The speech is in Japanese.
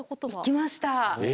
行きました。